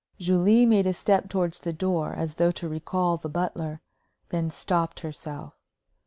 Julie made a step towards the door as though to recall the butler, then stopped herself.